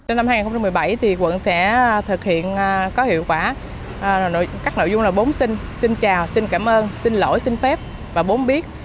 năm hai nghìn một mươi bảy quận sẽ thực hiện có hiệu quả các nội dung là bốn sinh xin chào xin cảm ơn xin lỗi xin phép và bốn biết